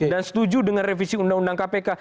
dan setuju dengan revisi undang undang kpk